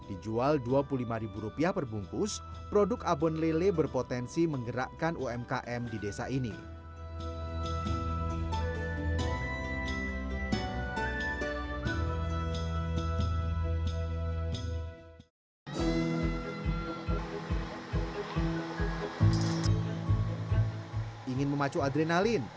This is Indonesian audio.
ingin memacu adrenalin